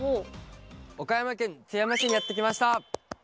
岡山県津山市にやってきました。